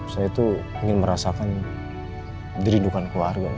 saya tuh ingin merasakan dirindukan keluarga gue